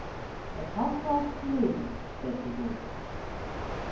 "At half past three," said the wolf.